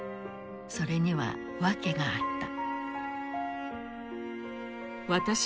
それには訳があった。